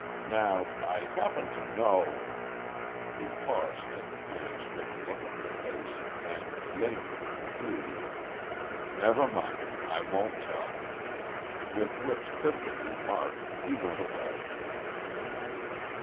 Now, I happen to know—" He paused at the panic stricken look on her face, and lamely concluded; "Never mind—I won't tell." With which cryptic remark he went away.